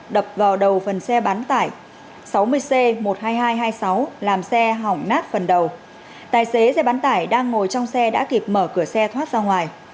đập vào đầu phần xe bán tải sáu mươi c một mươi hai nghìn hai trăm hai mươi sáu làm xe hỏng nát phần đầu tài xế xe bán tải đang ngồi trong xe đã kịp mở cửa xe thoát ra ngoài